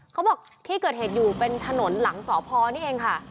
เขาบอกที่เกิดเหตุอยู่เป็นถนนหลังสพนี่เองค่ะ